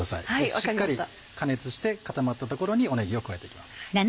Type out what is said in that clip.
しっかり加熱して固まったところにねぎを加えて行きます。